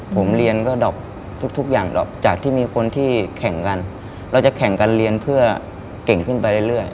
ผมเรียนก็ดอกทุกอย่างดอกจากที่มีคนที่แข่งกันเราจะแข่งกันเรียนเพื่อเก่งขึ้นไปเรื่อย